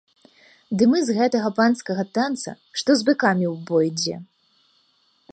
Ды мы з гэтага панскага танца, што з быкамі ў бой ідзе.